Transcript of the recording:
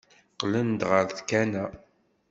Qqlen-d ɣer tkanna.